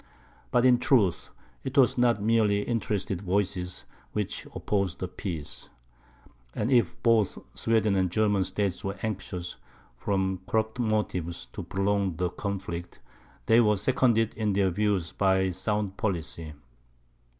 But, in truth, it was not merely interested voices which opposed a peace; and if both Sweden and the German states were anxious, from corrupt motives, to prolong the conflict, they were seconded in their views by sound policy.